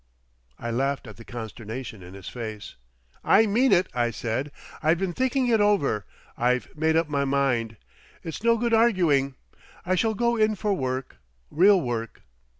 I laughed at the consternation in his face. "I mean it," I said. "I've been thinking it over. I've made up my mind. It's no good arguing. I shall go in for work—real work.